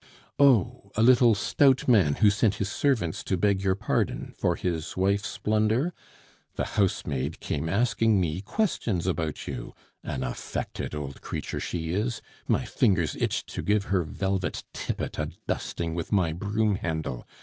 "Oh! a little stout man who sent his servants to beg your pardon for his wife's blunder? The housemaid came asking me questions about you, an affected old creature she is, my fingers itched to give her velvet tippet a dusting with my broom handle!